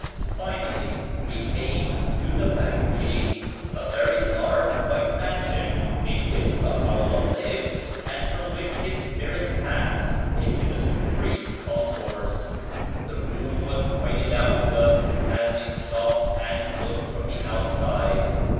Finally we came to the Behje, a very large white mansion in which BahaVlla lived and from which His Spirit passed into the Supreme Con course. The room was pointed out to us as we stopped and looked from the outside.